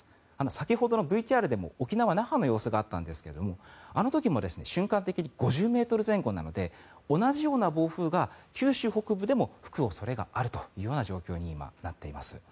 先ほどのＶＴＲでも沖縄・那覇の様子があったんですがあの時も瞬間的に５０ｍ前後なので同じような暴風が九州北部でも吹く恐れがあるという状況になっています。